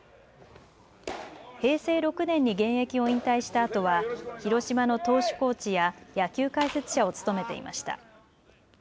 平成６年に現役を引退したあとは広島の投手コーチや野球解説者を務めていました。